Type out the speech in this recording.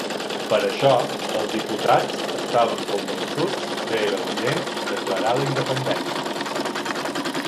Per això, els diputats estaven convençuts que era urgent declarar la Independència.